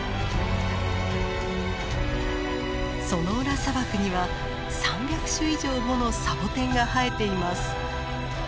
ソノーラ砂漠には３００種以上ものサボテンが生えています。